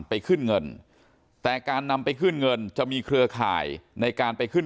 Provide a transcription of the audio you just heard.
ไปขึ้นเงินแต่การนำไปขึ้นเงินจะมีเครือข่ายในการไปขึ้น